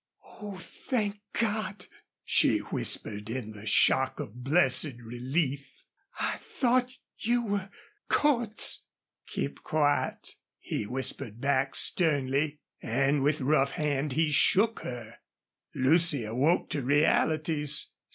"Oh, thank God!" she whispered, in the shock of blessed relief. "I thought you were Cordts!" "Keep quiet," he whispered back, sternly, and with rough hand he shook her. Lucy awoke to realities.